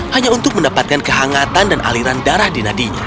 hanya untuk mendapatkan kehangatan dan aliran darahnya